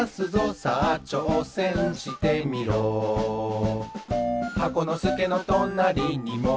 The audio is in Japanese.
「さあちょうせんしてみろ」「箱のすけのとなりにもうひとり？」